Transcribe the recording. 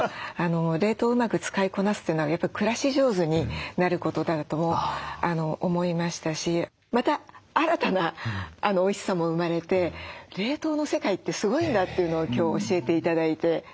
冷凍をうまく使いこなすというのがやっぱり暮らし上手になることだと思いましたしまた新たなおいしさも生まれて冷凍の世界ってすごいんだというのを今日教えて頂いて。